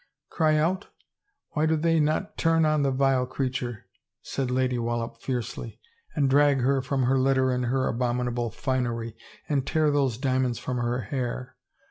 "Cry out? Why do they not turn on the vile creature," said Lady Wallop fiercely, " and drag her from her litter in her abominable finery and tear those diamonds from her hair?